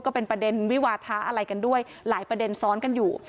ก็เป็นประเด็นวิวาทะอะไรกันด้วยหลายประเด็นซ้อนกันอยู่